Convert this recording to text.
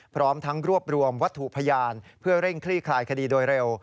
พร้อมทั้งรวบรวมวัตถุพยานเพื่อเร่งคลี่คลายคดีโดยเร็ว